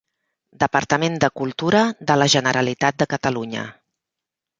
Departament de Cultura de la Generalitat de Catalunya.